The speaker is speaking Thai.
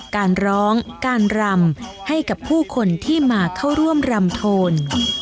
การร้องการรำให้กับผู้คนที่มาเข้าร่วมรำโทน